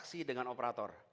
berperan saksi dengan operator